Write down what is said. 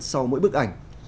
sau mỗi bức ảnh